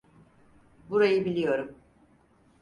Burayı biliyorum.